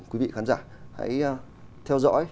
quý vị khán giả hãy theo dõi